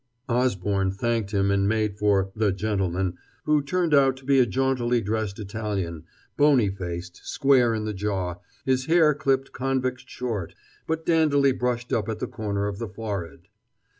Osborne thanked him, and made for "the gentleman," who turned out to be a jauntily dressed Italian, bony faced, square in the jaw, his hair clipped convict short, but dandily brushed up at the corner of the forehead.